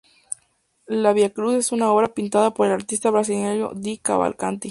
La vía crucis es una obra pintada por el artista brasileño Di Cavalcanti.